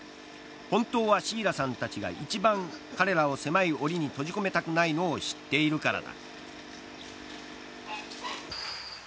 本当はシーラさんたちが一番彼らを狭いおりに閉じ込めたくないのを知っているからだ。